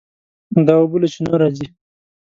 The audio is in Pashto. دا اوبه له چینو راځي.